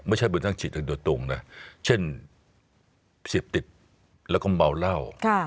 ไม่ใช่เป็นทางจิตจริงตรงนะเช่นเสียบติดแล้วก็เมาเหล้า